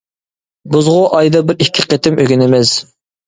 بىزغۇ ئايدا بىر ئىككى قېتىم ئۆگىنىمىز.